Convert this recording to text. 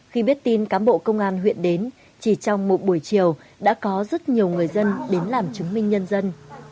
khi biết tin cán bộ công an huyện đến chỉ trong một buổi chiều đã có rất nhiều người dân đến làm chứng minh nhân dân